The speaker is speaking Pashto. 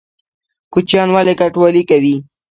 کوچیان ولې کډوالي کوي؟